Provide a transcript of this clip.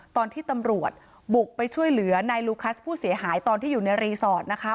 ตอนที่ตำรวจบุกไปช่วยเหลือนายลูคัสผู้เสียหายตอนที่อยู่ในรีสอร์ทนะคะ